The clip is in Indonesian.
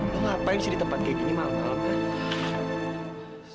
lo ngapain sih di tempat kayak gini malem malem kan